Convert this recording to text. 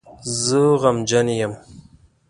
زه غمجن یم